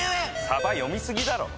さば読みすぎだろ！